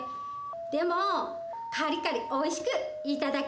でもカリカリおいしくいただきましたけど。